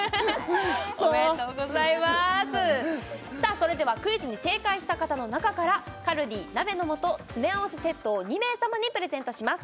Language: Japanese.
それではクイズに正解した方の中からカルディ鍋の素詰め合わせセットを２名様にプレゼントします